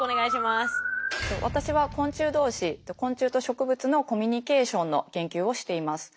私は昆虫同士昆虫と植物のコミュニケーションの研究をしています。